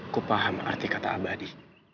kupaham arti kata abadi